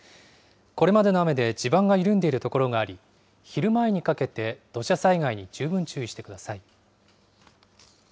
これまでの雨で地盤が緩んでいる所があり、昼前にかけて土砂災害に十分注意してください。